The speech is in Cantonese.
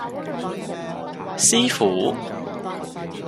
師傅